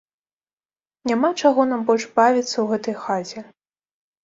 Няма чаго нам больш бавіцца ў гэтай хаце.